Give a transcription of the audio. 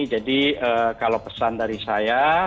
jadi kalau pesan dari saya